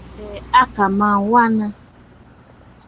Àbɛ̀ɛ̀ à kà mə aa wanə.